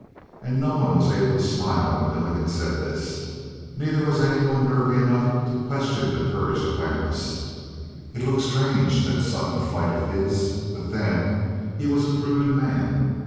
And no one was able to smile when Milligan said this. Neither was anyone nervy enough to question the courage of Landis. It looked strange, that sudden flight of his, but then, he was a proven man.